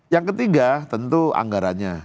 yang ketiga tentu anggarannya